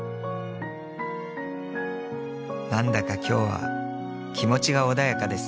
「なんだか今日は気持ちが穏やかです」